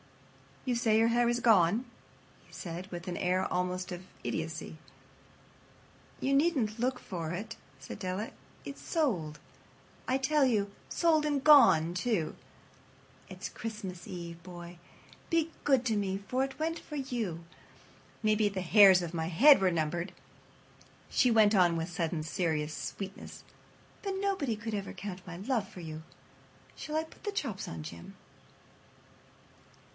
"You say your hair is gone?" he said, with an air almost of idiocy. "You needn't look for it," said Della. "It's sold, I tell you—sold and gone, too. It's Christmas Eve, boy. Be good to me, for it went for you. Maybe the hairs of my head were numbered," she went on with sudden serious sweetness, "but nobody could ever count my love for you. Shall I put the chops on, Jim?"